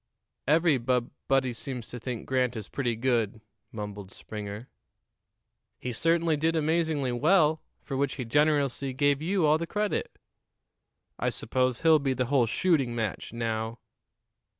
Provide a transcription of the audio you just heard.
"Every bub body seems to think Grant is pretty good," mumbled Springer. "He certainly did amazingly well, for which he generously gave you all the credit." "I suppose he'll be the whole shooting match, now."